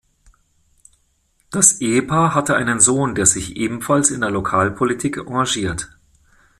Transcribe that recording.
Das Ehepaar hatte einen Sohn, der sich ebenfalls in der Lokalpolitik engagiert.